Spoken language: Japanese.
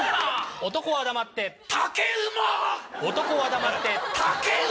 男は黙って。